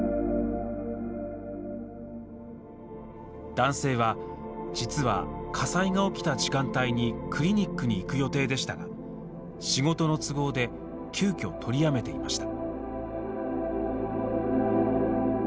男性は、実は火災が起きた時間帯にクリニックに行く予定でしたが仕事の都合で急きょ取りやめていました。